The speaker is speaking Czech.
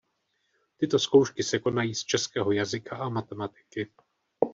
Tyto zkoušky se konají z českého jazyka a matematiky.